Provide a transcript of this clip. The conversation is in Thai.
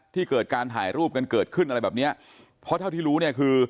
ที่เกิดการถ่ายรูปกันเกิดขึ้นอะไรแบบเนี้ยเพราะเท่าที่รู้เนี่ยคือ